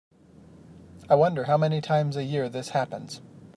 I wonder how many times a year this happens.